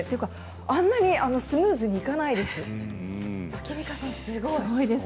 あんなにスムーズにいかないです。